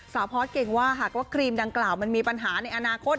พอร์ตเก่งว่าหากว่าครีมดังกล่าวมันมีปัญหาในอนาคต